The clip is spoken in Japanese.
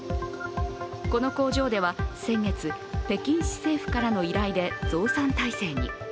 この工場では先月、北京市政府からの依頼で増産態勢に。